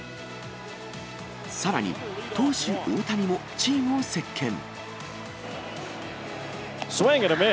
さらに投手大谷もチームを席けん。